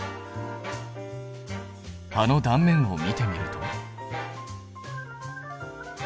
葉の断面を見てみると。